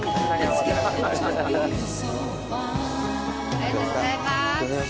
ありがとうございます。